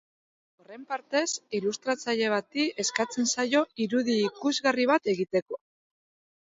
Horren partez, ilustratzaile bati eskatzen zaio irudi ikusgarri bat egiteko.